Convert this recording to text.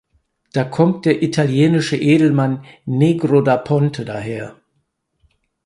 Da kommt der italienische Edelmann Negro da Ponte daher.